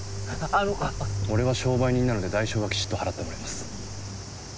俺は商売人なので代償はきちっと払ってもらいます。